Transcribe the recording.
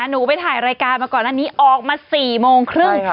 หนูไปถ่ายรายการมาก่อนอันนี้ออกมา๔โมงครึ่ง